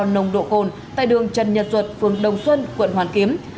nồng độ cồn tại đường trần nhật duật phường đồng xuân quận hoàn kiếm